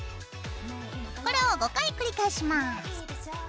これを５回繰り返します。